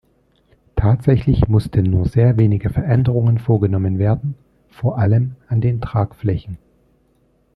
Tatsächlich mussten nur sehr wenige Veränderungen vorgenommen werden, vor allem an den Tragflächen.